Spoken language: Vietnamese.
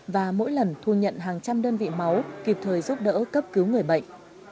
và mỗi lần thu nhận hàng trăm đơn vị máu kịp thời giúp đỡ cấp cứu người bệnh